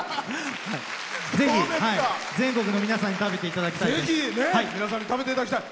ぜひ、全国の皆さんに食べていただきたいです。